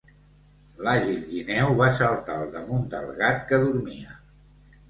L'àgil guineu va saltar al damunt del gat que dormia.